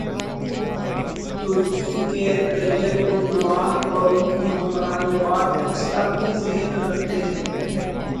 ترکی کے Tayyip Erdogan اور ان کی حکمران جماعت اسلامی ذہن رکھتے ہیں۔